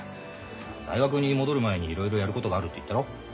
大学に戻る前にいろいろやることがあるって言ったろう。